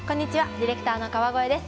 ディレクターの川越です。